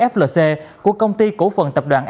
flc của công ty cổ phần tập đoàn